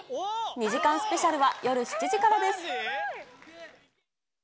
２時間スペシャルは夜７時からです。